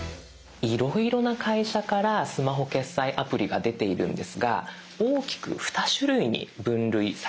いろいろな会社からスマホ決済アプリが出ているんですが大きく二種類に分類されます。